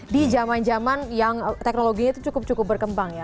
di zaman zaman yang teknologinya itu cukup cukup berkembang ya